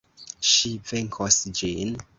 Ŝi venkos ĝin!